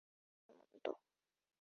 না, হেমন্ত।